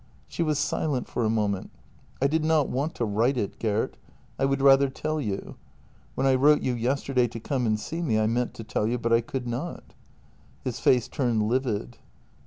She was silent for a moment. " I did not want to write it, Gert. I would rather tell you. When I wrote you yesterday to come and see me I meant to tell you, but I could not." His face turned livid.